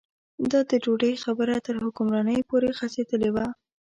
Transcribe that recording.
دا د ډوډۍ خبره تر حکمرانۍ پورې غځېدلې وه.